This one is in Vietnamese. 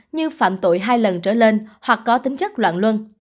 như phạm tội hai lần trở lên hoặc có tính chất loạn luân